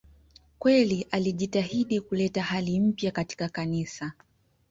Kweli alijitahidi kuleta hali mpya katika Kanisa.